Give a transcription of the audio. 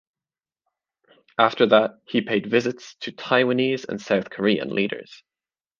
After that, he paid visits to Taiwanese and South Korean leaders.